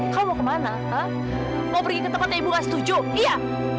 kamu mau kemana mau pergi ke tempat ibu gak setuju iya